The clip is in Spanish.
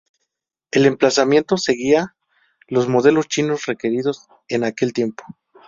El emplazamiento seguía los modelos chinos requeridos en aquel tiempo.